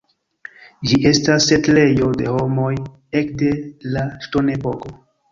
Ĝi estas setlejo de homoj ekde la Ŝtonepoko.